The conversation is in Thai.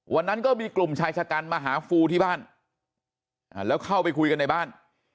วันนั้นก็มีกลุ่มชายชะกันมาหาฟูที่บ้านแล้วเข้าไปคุยกันในบ้าน